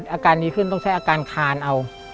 อาการดีขึ้นต้องใช้อาการคานเอา